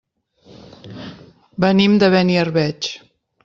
Venim de Beniarbeig.